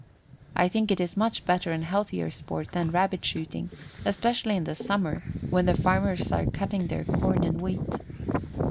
I think it is much better and healthier sport than rabbit shooting, especially in the summer when the farmers are cutting their corn and wheat.